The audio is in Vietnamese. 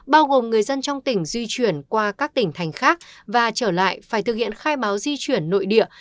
bao gồm người dân trong tỉnh di chuyển qua các tỉnh thành khác và trở lại phải thực hiện khai báo di chuyển nội địa